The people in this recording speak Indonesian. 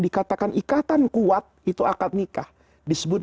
dikatakan ikatan kuat itu akad nikah disebut